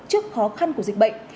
trước khó khăn của dịch bệnh